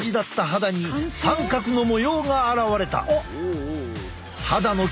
肌に三角の模様が現れた。